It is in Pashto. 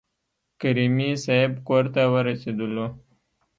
کریمي صیب کورته ورسېدلو.